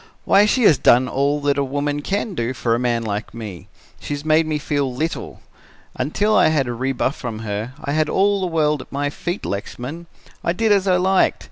'Why, she has done all that a woman can do for a man like me. She has made me feel little. Until I had a rebuff from her, I had all the world at my feet, Lexman. I did as I liked.